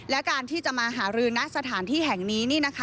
และการที่จะมาหารือณสถานที่แห่งนี้